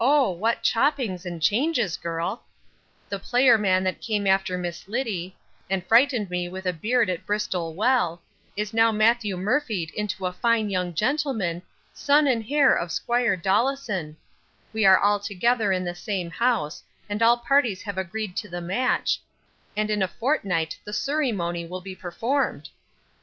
what choppings and changes girl The player man that came after Miss Liddy, and frightened me with a beard at Bristol Well, is now matthew murphy'd into a fine young gentleman, son and hare of 'squire Dollison We are all together in the same house, and all parties have agreed to the match, and in a fortnite the surrymony will be performed.